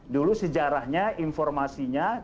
dulu sejarahnya informasinya